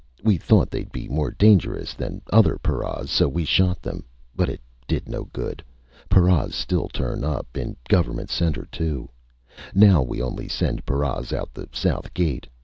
We thought they'd be more dangerous than other paras, so we shot them. But it did no good. Paras still turn up, in Government Center, too! Now we only send paras out the south gate.